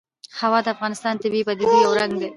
هوا د افغانستان د طبیعي پدیدو یو رنګ دی.